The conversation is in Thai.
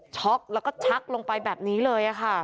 ช็อกแล้วก็ชักลงไปแบบนี้เลยค่ะ